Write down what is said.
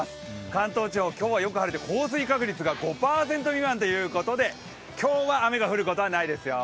関東地方、今日はよく晴れて降水確率が５％未満ということで今日は雨が降ることはないですよ。